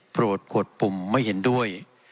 โปรดขวดปุ่มไม่เห็นด้วย